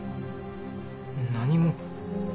何も。